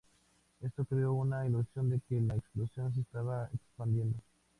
Esto creó una ilusión de que la explosión se estaba expandiendo.